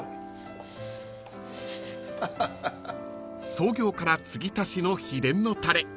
［創業からつぎ足しの秘伝のたれ］